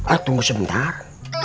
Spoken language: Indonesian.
ah tunggu sebentar